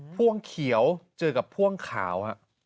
พ่วงเขียวเจอกับพ่วงขาว